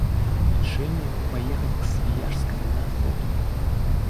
Решение поехать к Свияжскому на охоту.